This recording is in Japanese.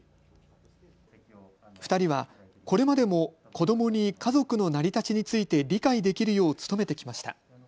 ２人はこれまでも子どもに家族の成り立ちについて理解できるよう努めてきました。